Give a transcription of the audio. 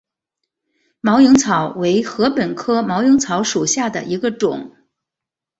毛颖草为禾本科毛颖草属下的一个种。